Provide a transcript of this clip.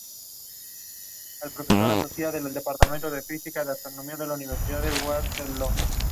El equipo deberá encontrar al asesino en serie antes de que ataque de nuevo.